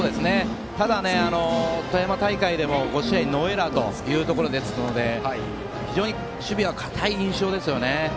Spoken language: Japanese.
ただ、富山大会でも５試合ノーエラーですので非常に守備は堅い印象です。